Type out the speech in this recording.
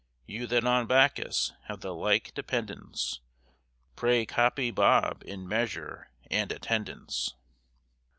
You that on Bacchus have the like dependence, Pray copy Bob in measure and attendance.